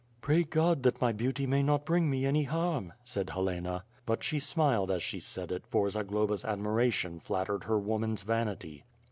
"Pray (lod that my beauty may not bring me any harm," said Helena, But she smiled as she said it for Zagloba's admiration flattered her woman's vanity.